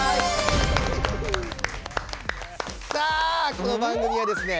さあこの番組はですね